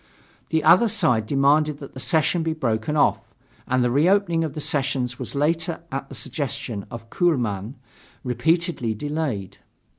The other side demanded that the session be broken off, and the reopening of the sessions was later, at the suggestion of Kuehlmann, repeatedly delayed.